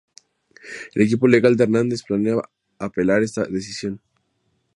El equipo legal de Hernández planea apelar esa decisión.